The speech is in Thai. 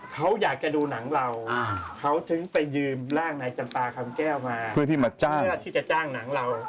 เขาอยากจะดูหนังเราเขาถึงไปยืมร่างนายจำปลาคำแก้วมาเพื่อที่จะจ้างหนังเรา